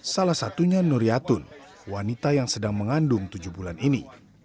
salah satunya nur yatun wanita yang sedang mengandung tujuh bulan ini